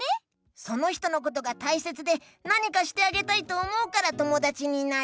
その人のことがたいせつでなにかしてあげたいと思うから友だちになる。